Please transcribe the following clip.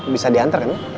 bisa diantar kan